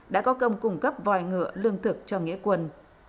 đã có công cung cấp vài ngựa lương thực cho nghĩa quân